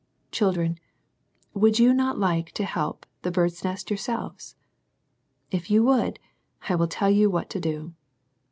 Children, would you not like to help the " Bird's Nest " yourselves ? If you would, I will tell you what to do.